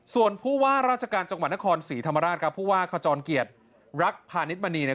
ส่วนผู้ว่าราชการจังหวัดนครศรีธรรมราชครับผู้ว่าขจรเกียรติรักพาณิชมณีเนี่ย